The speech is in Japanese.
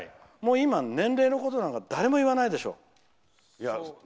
もう今、年齢のことなんか誰も言わないでしょ。